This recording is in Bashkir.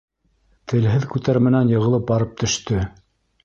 Телһеҙ күтәрмәнән йығылып барып төштө.